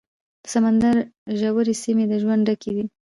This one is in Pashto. د سمندر ژورې سیمې د ژوند ډکې دي.